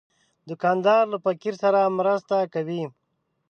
دوکاندار له فقیر سره مرسته کوي.